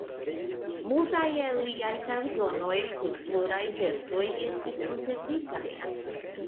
Multaj el liaj kanzonoj kun pluraj versoj estis konservitaj.